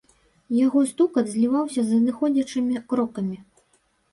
Яго стукат зліваўся з адыходзячымі крокамі.